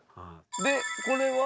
でこれは？